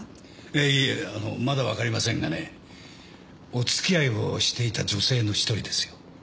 いいえまだわかりませんがねお付き合いをしていた女性の１人ですよ。